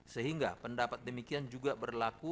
sehingga pendapat demikian juga berlaku